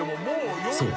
［そう。